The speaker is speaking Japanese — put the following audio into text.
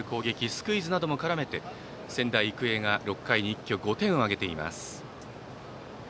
スクイズなども絡めて仙台育英が６回に一挙５点を挙げています。